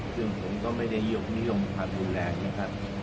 ซึ่งผมก็ไม่ได้ยกมิลมผ่าดูแลนะครับ